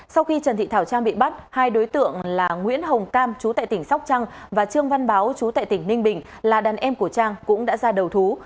sau khi trần thị thảo trang bị bắt hai đối tượng là nguyễn hồng cam chú tại tỉnh sóc trăng và trương văn báo chú tại tỉnh ninh bình là đàn em của trang cũng đã ra đầu thú